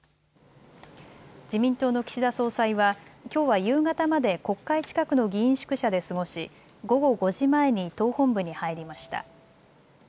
自民党の岸田総裁は、きょうは夕方まで国会近くの議員宿舎で過ごし午後５時前に党本部に入りました。